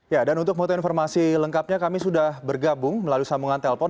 ya dan untuk foto informasi lengkapnya kami sudah bergabung melalui sambungan telpon